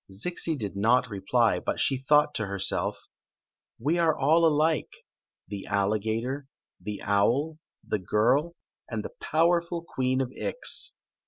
Zixi did not reply, but she thought to herself: "We are all alike — the alligator, the owl, the girl, "WMV BO «w Ma) and the powerful Queen of Ix.